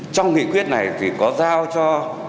trong nghị quyết này thì có giao cho